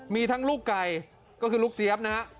มีทั้งลูกไก่ก็คือลูกเจี๊ยบนะฮะ